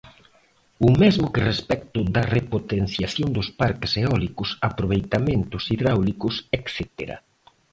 O mesmo que respecto da repotenciación dos parques eólicos, aproveitamentos hidráulicos etcétera.